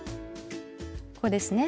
ここですね。